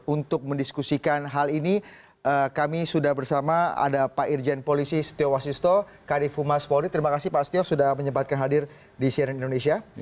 untuk mendiskusikan hal ini kami sudah bersama ada pak irjen polisi setio wasisto kadif humas polri terima kasih pak setio sudah menyempatkan hadir di cnn indonesia